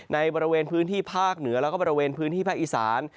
ในบริเวณพื้นที่ภาคเหนือแล้วก็บริเวณพื้นที่ภาคอีสาน